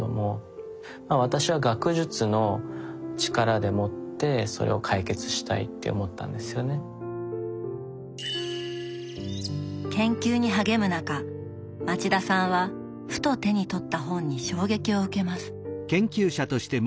私は研究に励む中町田さんはふと手に取った本に衝撃を受けます。